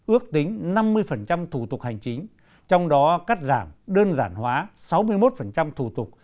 ước tính năm mươi thủ tục hành chính trong đó cắt giảm đơn giản hóa sáu mươi một thủ tục